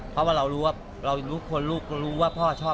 พยายามจัดทุกอย่างที่พ่อชอบ